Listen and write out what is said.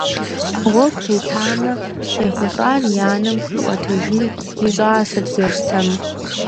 Гъуэгу тетамэ, къехъулӏар и анэм хуиӏуэтэжыныр и щӏасэт Ерстэм.